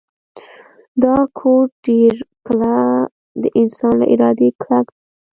دا کوډ ډیر کله د انسان له ارادې کلک وي